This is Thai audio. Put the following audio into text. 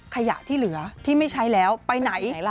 ขยะที่เหลือที่ไม่ใช้แล้วไปไหน